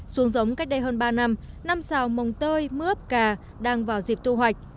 xuống giống cách đây hơn ba năm năm sào mông tơi mướp cà đang vào dịp thu hoạch